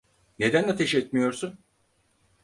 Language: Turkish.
Neden ateş etmiyorsun?